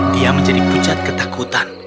dia menjadi pucat ketakutan